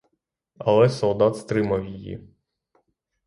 Але солдат стримав її.